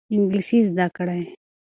انګلیسي زده کړئ.